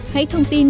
hãy thông tin nhé